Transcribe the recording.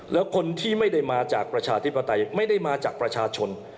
แล้วคนที่ไม่ได้มาจากประชาธิปไตยไม่ได้มาจากประชาชน